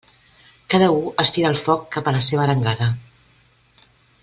Cada u es tira el foc cap a la seva arengada.